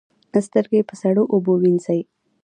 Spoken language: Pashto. سترګې په سړو اوبو وینځئ